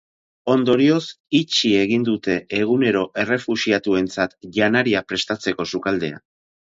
Ondorioz, itxi egin dute egunero errefuxiatuentzat janaria prestatzeko sukaldea.